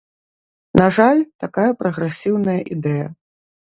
На жаль, такая прагрэсіўная ідэя.